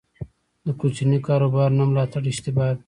د کوچني کاروبار نه ملاتړ اشتباه ده.